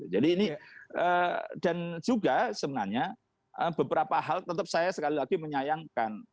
jadi ini dan juga sebenarnya beberapa hal tetap saya sekali lagi menyayangkan